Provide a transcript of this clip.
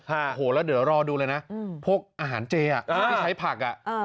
โอ้โหแล้วเดี๋ยวรอดูเลยนะพวกอาหารเจอ่ะที่ใช้ผักอ่ะ